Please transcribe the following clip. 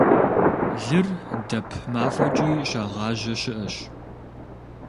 Лыр дэп мафӀэкӀи щагъажьи щыӀэщ.